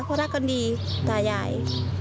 เขารักกันดีตาใหญ่